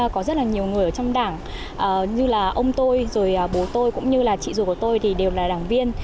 có rất là nhiều người ở trong đảng như là ông tôi rồi bố tôi cũng như là chị rùa của tôi thì đều là đảng viên